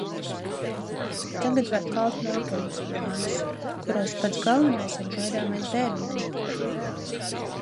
Tagad var kalt nākotnes plānus, kuros pats galvenais ir gaidāmais bērniņš.